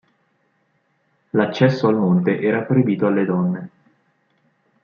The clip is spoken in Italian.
L'accesso al monte era proibito alle donne.